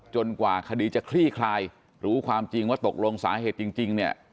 กว่าคดีจะคลี่คลายรู้ความจริงว่าตกลงสาเหตุจริงเนี่ย